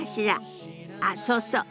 あっそうそう。